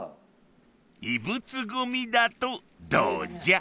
異物ゴミだとどうじゃ？